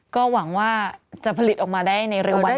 ก็หวังว่าจะผลิตออกมาได้ในเร็ววันนี้